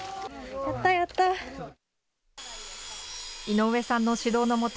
井上さんの指導のもと